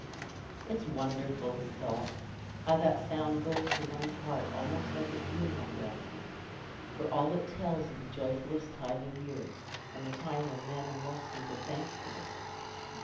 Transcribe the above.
"It's wonderful," he thought, "how that sound goes to one's heart almost like a funeral bell, for all it tells one o' the joyfullest time o' the year, and the time when men are mostly the thankfullest.